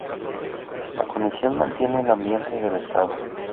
La comisión mantiene el ambiente del estado.